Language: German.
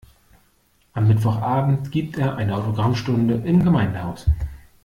Am Mittwochabend gibt er eine Autogrammstunde im Gemeindehaus.